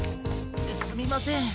すみません。